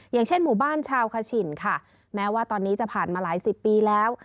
อย่างเช่นหมู่บ้านชาวคชินค่ะแม้ว่าตอนนี้จะผ่านมาหลายสิบปีแล้ว